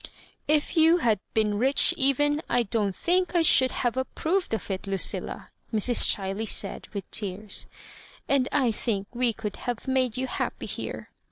" If you had been rich even, I don't think I should have approved of it, Lucilla," Mrs. Chiley said, with tears; "and I think we could have made you liappy here."